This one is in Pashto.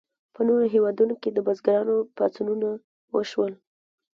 په نورو هیوادونو کې د بزګرانو پاڅونونه وشول.